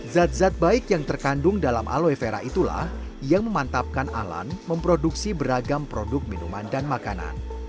zat zat baik yang terkandung dalam aloevera itulah yang memantapkan alan memproduksi beragam produk minuman dan makanan